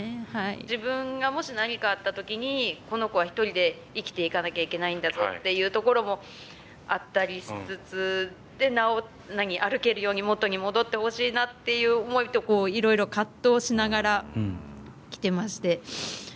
自分が、もし何かあったときにこの子は１人で生きていかなきゃいけないんだぞっていうところもあったりしつつ歩けるように元に戻ってほしいなっていう思いといろいろ葛藤しながらきてまして。